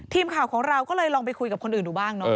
ทีมข่าวของเราก็เลยลองไปคุยกับคนอื่นดูบ้างเนาะ